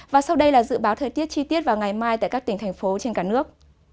và sau đây là dự báo thời tiết chi tiết vào ngày mai tại các tỉnh thành phố trên cả nước